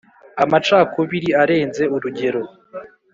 amacakubiri arenze urugero